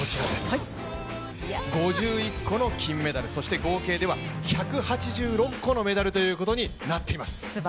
５１個の金メダル、そして合計では１８６個のメダルということになっています。